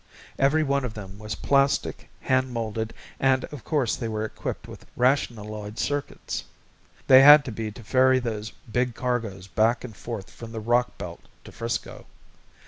Every one of them was plastic hand molded and of course they were equipped with rationaloid circuits. They had to be to ferry those big cargoes back and forth from the rock belt to Frisco.